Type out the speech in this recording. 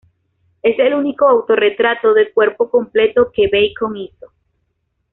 Es el único auto-retrato de cuerpo completo que Bacon hizo.